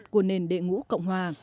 của nền đệ ngũ cộng hòa